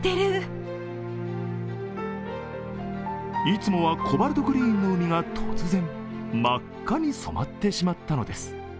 いつもはコバルトグリーンの海が突然、真っ赤に染まってしまったのです。